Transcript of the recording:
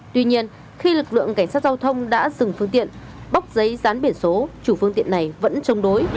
tuy nhiên khi lực lượng cảnh sát giao thông đã dừng phương tiện bốc giấy rán biển số chủ phương tiện này vẫn chống đối